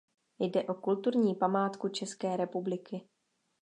Jde o kulturní památku České republiky.